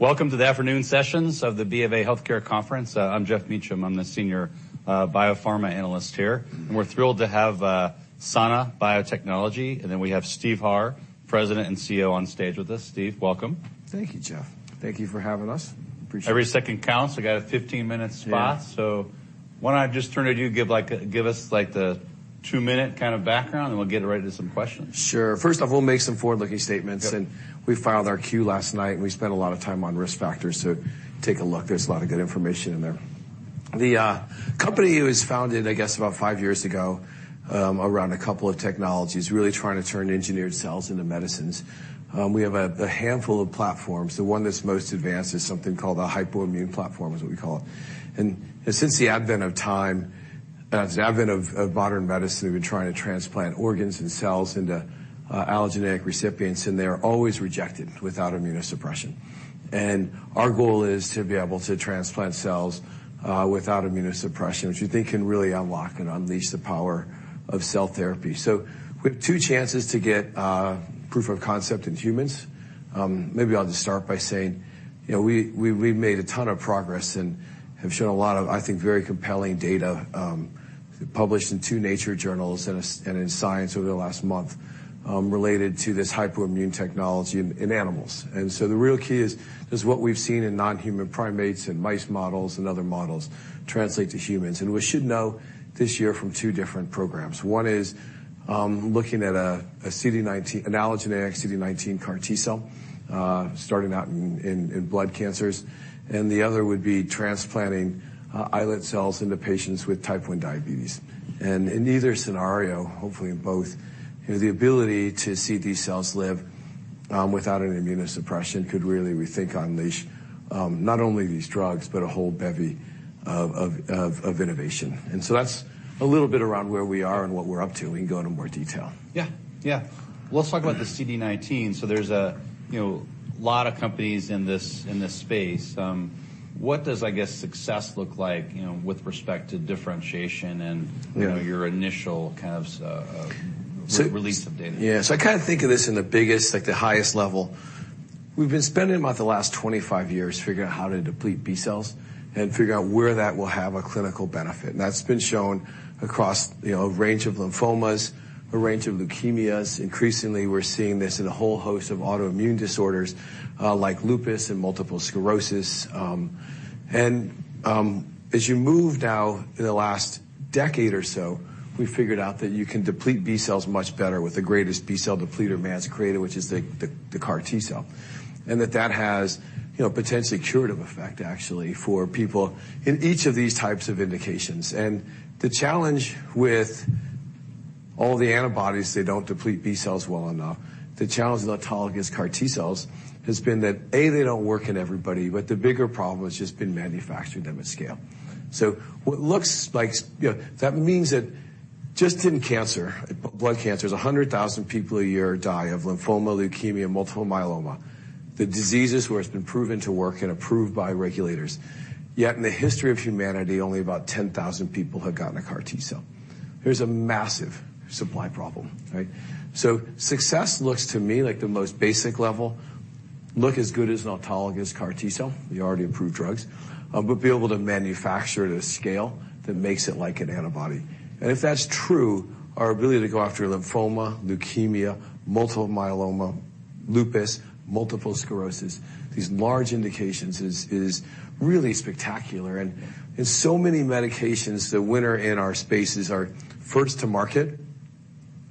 Welcome to the afternoon sessions of the BofA Healthcare Conference. I'm Geoff Meacham. I'm the Senior Biopharma Analyst here. We're thrilled to have Sana Biotechnology, and then we have Steve Harr, President and CEO on stage with us. Steve, welcome. Thank you, Geoff. Thank you for having us. Appreciate it. Every second counts. We got a 15-minute spot. Yeah. Why don't I just turn to you, give us, like, the two-minute kind of background, and we'll get right to some questions. Sure. First off, we'll make some forward-looking statements. Yep. We filed our Q last night, and we spent a lot of time on risk factors, so take a look. There's a lot of good information in there. The company was founded, I guess, about five years ago, around a couple of technologies, really trying to turn engineered cells into medicines. We have a handful of platforms. The one that's most advanced is something called a Hypoimmune platform, is what we call it. Since the advent of time, since the advent of modern medicine, we've been trying to transplant organs and cells into allogeneic recipients, and they are always rejected without immunosuppression. Our goal is to be able to transplant cells without immunosuppression, which we think can really unlock and unleash the power of cell therapy. We've two chances to get proof of concept in humans. maybe I'll just start by saying, you know, we've made a ton of progress and have shown a lot of, I think, very compelling data, published in two Nature journals and in Science over the last month, related to this Hypoimmune technology in animals. The real key is, does what we've seen in non-human primates and mice models and other models translate to humans? We should know this year from two different programs. One is looking at an allogeneic CD19 CAR T-cell, starting out in blood cancers, and the other would be transplanting islet cells into patients with Type 1 diabetes. In either scenario, hopefully in both, you know, the ability to see these cells live, without an immunosuppression could really, we think, unleash, not only these drugs, but a whole bevy of innovation. That's a little bit around where we are and what we're up to. We can go into more detail. Yeah. Yeah. Let's talk about the CD19. There's a, you know, lot of companies in this, in this space. What does, I guess, success look like, you know, with respect to differentiation and... Yeah. you know, your initial kind of, re-release of data? I kind of think of this in the biggest, the highest level. We've been spending about the last 25 years figuring out how to deplete B-cells and figuring out where that will have a clinical benefit. That's been shown across, you know, a range of lymphomas, a range of leukemias. Increasingly, we're seeing this in a whole host of autoimmune disorders, lupus and multiple sclerosis. As you move now in the last decade or so, we figured out that you can deplete B-cells much better with the greatest B-cell depleter man's created, which is the CAR T-cell. That has, you know, potentially curative effect actually for people in each of these types of indications. The challenge with all the antibodies, they don't deplete B-cells well enough. The challenge with autologous CAR T-cells has been that, A, they don't work in everybody, but the bigger problem has just been manufacturing them at scale. What looks like You know, that means that just in cancer, blood cancers, 100,000 people a year die of lymphoma, leukemia, multiple myeloma, the diseases where it's been proven to work and approved by regulators. Yet in the history of humanity, only about 10,000 people have gotten a CAR T-cell. There's a massive supply problem, right? Success looks to me like the most basic level, look as good as an autologous CAR T-cell, we already improved drugs, but be able to manufacture at a scale that makes it like an antibody. If that's true, our ability to go after lymphoma, leukemia, multiple myeloma, lupus, multiple sclerosis, these large indications is really spectacular. In so many medications, the winner in our spaces are first to market,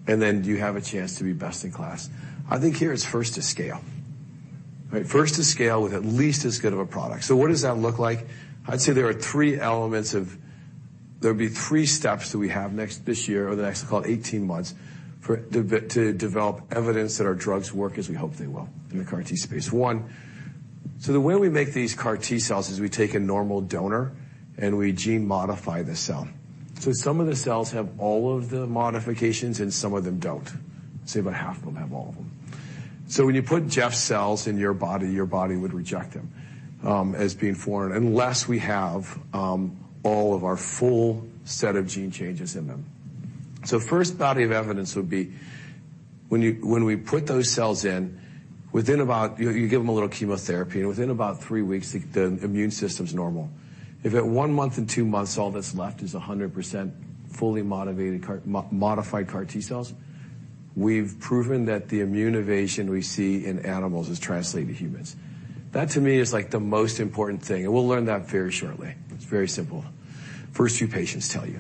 and then do you have a chance to be best in class? I think here it's first to scale. Right? First to scale with at least as good of a product. What does that look like? I'd say there are three elements. There'll be three steps that we have this year or the next call it 18 months to develop evidence that our drugs work as we hope they will in the CAR T space. One, the way we make these CAR T-cells is we take a normal donor and we gene modify the cell. Some of the cells have all of the modifications, and some of them don't. Say about half of them have all of them. When you put Geoff's cells in your body, your body would rej ect them as being foreign, unless we have all of our full set of gene changes in them. First body of evidence would be when we put those cells in, within about. You give them a little chemotherapy, and within about three weeks, the immune system's normal. If at one month and two months, all that's left is 100% fully modified CAR T-cells, we've proven that the immune evasion we see in animals is translated to humans. That to me is like the most important thing. We'll learn that very shortly. It's very simple. First few patients tell you.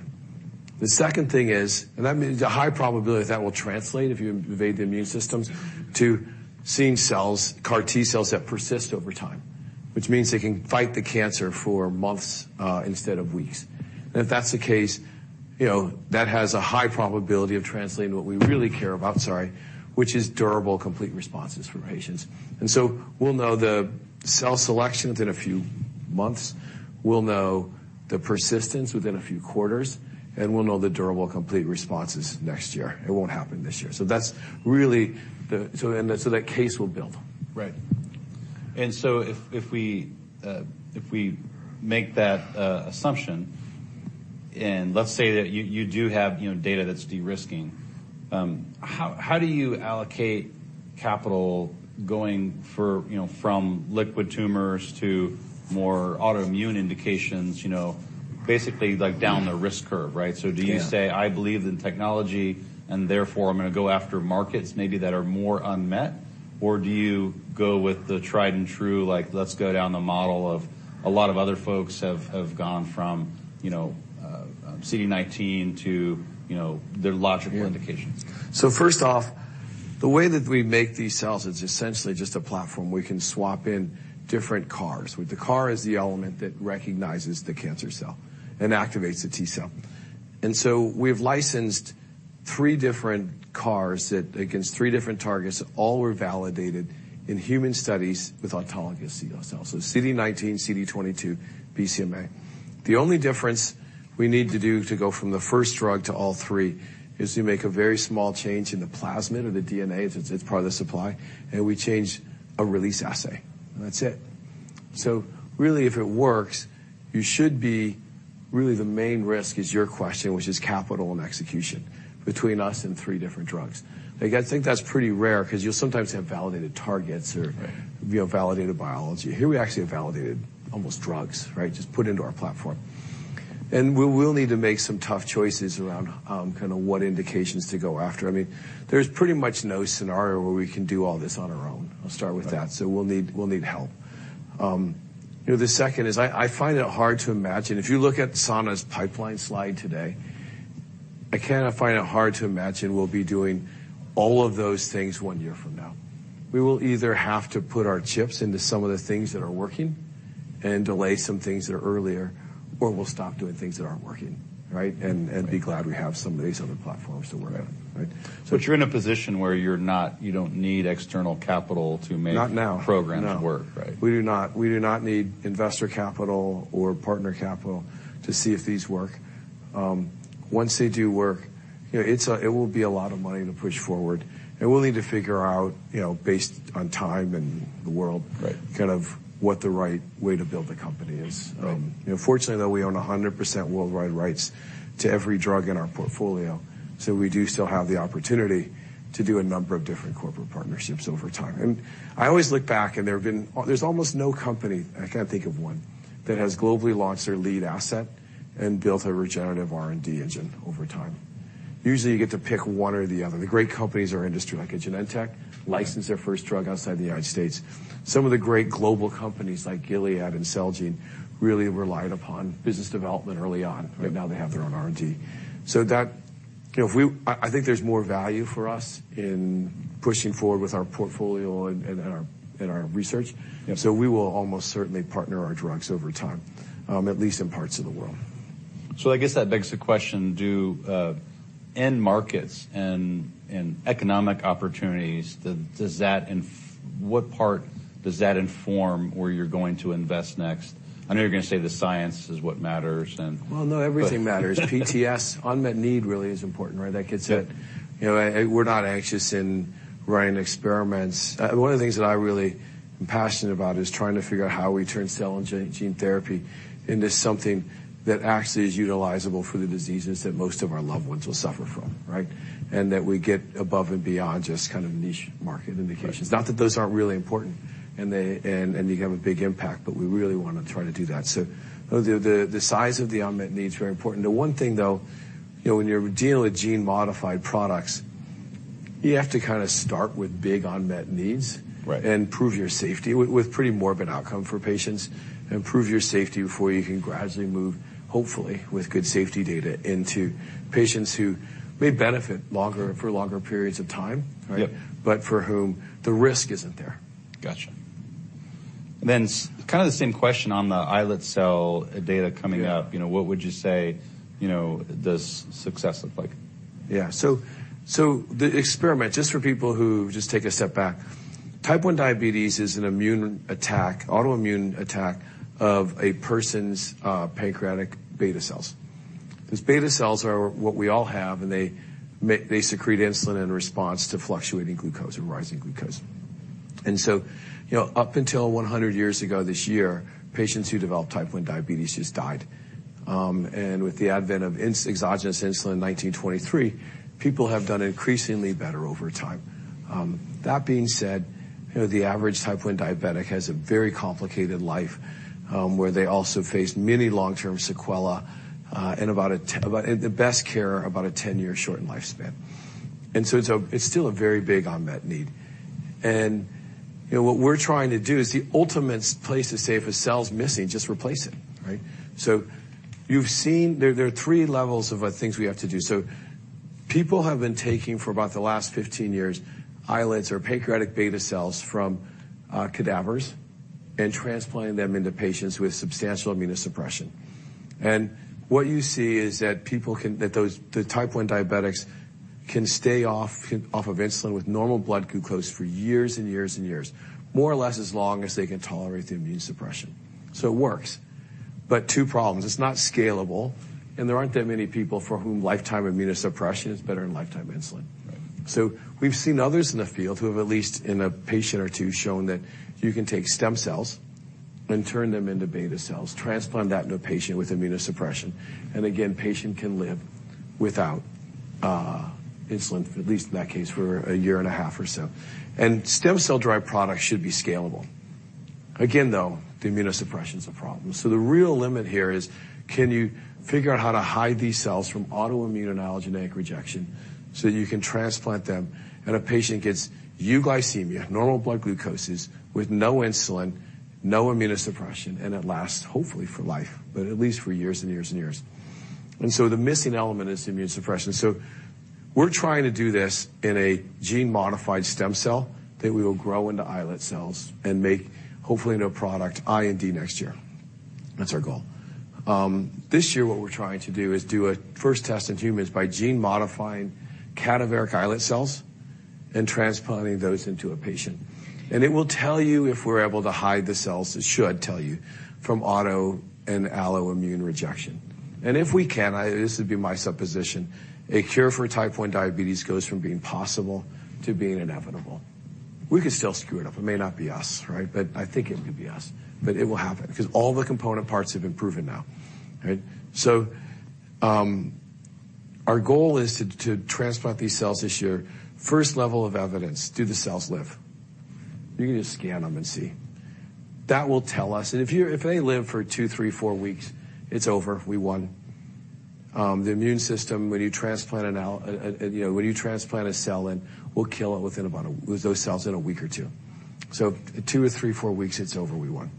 The second thing is... That means a high probability that will translate if you evade the immune systems to seeing cells, CAR T-cells that persist over time, which means they can fight the cancer for months, instead of weeks. If that's the case, you know, that has a high probability of translating what we really care about, sorry, which is durable, complete responses from patients. We'll know the cell selection within a few months. We'll know the persistence within a few quarters, and we'll know the durable complete responses next year. It won't happen this year. That case will build. Right. If we make that assumption. Let's say that you do have, you know, data that's de-risking. How do you allocate capital going for, you know, from liquid tumors to more autoimmune indications? You know, basically, like, down the risk curve, right? Yeah. Do you say, "I believe in technology, and therefore I'm gonna go after markets maybe that are more unmet?" Or do you go with the tried and true, like, let's go down the model of a lot of other folks have gone from, you know, CD19 to, you know, their logical indications? First off, the way that we make these cells, it's essentially just a platform. We can swap in different CARs, where the CAR is the element that recognizes the cancer cell and activates the T-cell. We've licensed three different CARs against three different targets. All were validated in human studies with autologous T-cells. CD19, CD22, BCMA. The only difference we need to do to go from the first drug to all three is to make a very small change in the plasmid or the DNA. It's part of the supply. We change a release assay, and that's it. Really, if it works, you should be. Really the main risk is your question, which is capital and execution between us and three different drugs. Like, I think that's pretty rare because you'll sometimes have validated targets or- Right. you know, validated biology. Here we actually have validated almost drugs, right? Just put into our platform. We will need to make some tough choices around, kind of what indications to go after. I mean, there's pretty much no scenario where we can do all this on our own. I'll start with that. Right. We'll need help. You know, the second is I find it hard to imagine. If you look at Sana's pipeline slide today, I kinda find it hard to imagine we'll be doing all of those things one year from now. We will either have to put our chips into some of the things that are working and delay some things that are earlier, or we'll stop doing things that aren't working, right? Right. Be glad we have some of these other platforms to work on. Yeah. Right? You're in a position where you don't need external capital to make. Not now. programs work. No. Right? We do not. We do not need investor capital or partner capital to see if these work. Once they do work, you know, it will be a lot of money to push forward, and we'll need to figure out, you know, based on time and the world... Right. -kind of what the right way to build the company is. you know, fortunately, though, we own 100% worldwide rights to every drug in our portfolio, so we do still have the opportunity to do a number of different corporate partnerships over time. I always look back. There's almost no company, I can't think of one, that has globally launched their lead asset and built a regenerative R&D engine over time. Usually, you get to pick one or the other. The great companies or industry, like a Genentech, licensed their first drug outside the United States. Some of the great global companies like Gilead and Celgene really relied upon business development early on. Right. They have their own R&D. That... You know, if we... I think there's more value for us in pushing forward with our portfolio and our research. Yeah. we will almost certainly partner our drugs over time, at least in parts of the world. I guess that begs the question, do end markets and economic opportunities, what part does that inform where you're going to invest next? I know you're gonna say the Science is what matters. Well, no, everything matters. PTS, unmet need really is important, right? Yeah. You know, we're not anxious in running experiments. One of the things that I really am passionate about is trying to figure out how we turn cell and gene therapy into something that actually is utilizable for the diseases that most of our loved ones will suffer from, right? That we get above and beyond just kind of niche market indications. Right. Not that those aren't really important, and they have a big impact, but we really wanna try to do that. The size of the unmet need is very important. The one thing, though, you know, when you're dealing with gene modified products, you have to kinda start with big unmet needs. Right. Prove your safety with pretty morbid outcome for patients and prove your safety before you can gradually move, hopefully, with good safety data into patients who may benefit longer. Right. for longer periods of time, right? Yep. For whom the risk isn't there. Gotcha. kind of the same question on the islet cell data coming up? Yeah. You know, what would you say, you know, does success look like? Yeah. The experiment, just for people who just take a step back, Type 1 diabetes is an immune attack, autoimmune attack of a person's pancreatic beta cells. These beta cells are what we all have, they secrete insulin in response to fluctuating glucose and rising glucose. You know, up until 100 years ago this year, patients who developed Type 1 diabetes just died. With the advent of exogenous insulin in 1923, people have done increasingly better over time. That being said, you know, the average Type 1 diabetic has a very complicated life, where they also face many long-term sequela, the best care, about a 10-year shortened lifespan. It's still a very big unmet need. You know, what we're trying to do is the ultimate place is, say, if a cell's missing, just replace it, right? You've seen. There are three levels of things we have to do. People have been taking for about the last 15 years islets or pancreatic beta cells from cadavers and transplanting them into patients with substantial immunosuppression. What you see is that those Type 1 diabetics can stay off of insulin with normal blood glucose for years and years and years, more or less as long as they can tolerate the immunosuppression. It works. Two problems: It's not scalable, and there aren't that many people for whom lifetime immunosuppression is better than lifetime insulin. We've seen others in the field who have, at least in a patient or two, shown that you can take stem cells and turn them into beta cells, transplant that into a patient with immunosuppression. Again, patient can live without insulin, at least in that case, for a year and a half or so. Stem cell-derived products should be scalable. Again, though, the immunosuppression is a problem. The real limit here is can you figure out how to hide these cells from autoimmune and allogeneic rejection so you can transplant them and a patient gets euglycemia, normal blood glucoses with no insulin, no immunosuppression, and it lasts hopefully for life, but at least for years and years and years. The missing element is immunosuppression. We're trying to do this in a gene-modified stem cell that we will grow into islet cells and make, hopefully, into a product IND next year. That's our goal. This year, what we're trying to do is do a first test in humans by gene modifying cadaveric islet cells and transplanting those into a patient. It will tell you if we're able to hide the cells, it should tell you, from auto and alloimmune rejection. If we can, this would be my supposition, a cure for Type 1 diabetes goes from being possible to being inevitable. We could still screw it up. It may not be us, right? I think it could be us. It will happen because all the component parts have been proven now. Right? Our goal is to transplant these cells this year. First level of evidence, do the cells live? You can just scan them and see. If they live for two, three, four weeks, it's over. We won. The immune system, when you transplant, you know, when you transplant a cell in, we'll kill it within about those cells in a week or two. Two or three, four weeks, it's over, we won.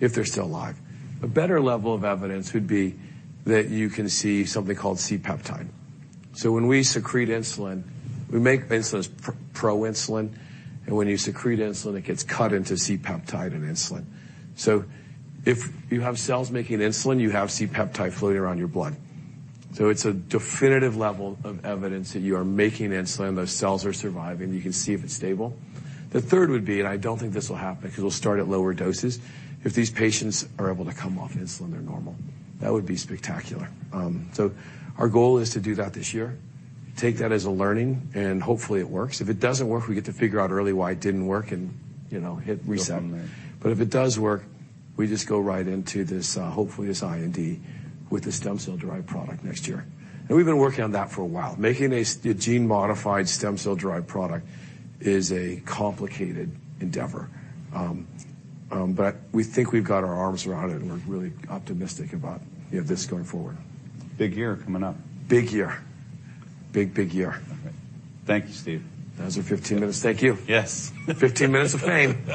If they're still alive. A better level of evidence would be that you can see something called C-peptide. When we secrete insulin, we make insulin as proinsulin, and when you secrete insulin, it gets cut into C-peptide and insulin. If you have cells making insulin, you have C-peptide floating around your blood. It's a definitive level of evidence that you are making insulin. Those cells are surviving. You can see if it's stable. The third would be, I don't think this will happen because we'll start at lower doses, if these patients are able to come off insulin, they're normal. That would be spectacular. Our goal is to do that this year, take that as a learning, and hopefully it works. If it doesn't work, we get to figure out early why it didn't work and, you know, hit reset. Go from there. If it does work, we just go right into this, hopefully this IND with the stem cell-derived product next year. We've been working on that for a while. Making a gene-modified stem cell-derived product is a complicated endeavor. We think we've got our arms around it, and we're really optimistic about, you know, this going forward. Big year coming up. Big year. Big, big year. Okay. Thank you, Steve. That was your 15 minutes. Thank you. Yes. 15 minutes of fame.